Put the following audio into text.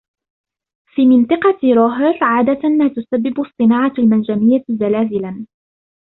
في منطقة روهر ، عادة ما تسبب الصناعة المنجمية زلازلا.